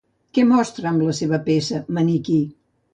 Què mostra amb la seva peça Maniquí?